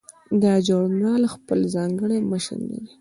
دا ژورنال خپل ځانګړی مشر لري.